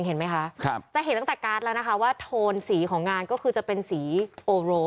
กันแล้วตั้งแต่เช้าโดยแบ่งเป็นแบบนี้ค่ะ